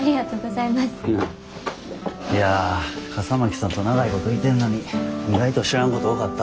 いや笠巻さんと長いこといてんのに意外と知らんこと多かったわ。